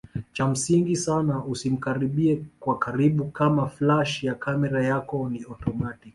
Cha msingi sana usimkaribie kwa karibu kama flash ya kamera yako ni automatic